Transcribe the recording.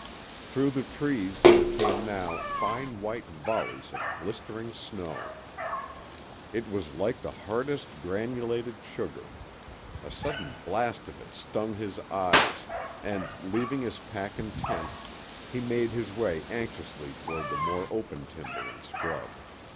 Through the trees there came now fine white volleys of blistering snow. It was like the hardest granulated sugar. A sudden blast of it stung his eyes; and, leaving his pack and tent, he made his way anxiously toward the more open timber and scrub.